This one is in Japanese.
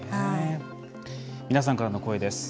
皆さんからの声です。